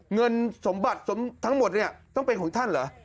เงินสมบัติทั้งหมดเนี่ยต้องเป็นของท่านเหรอ